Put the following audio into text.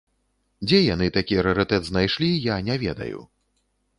Дзе яны такі рарытэт знайшлі, я не ведаю.